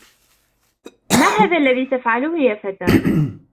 ما هذا الذي تفعله يا فتى؟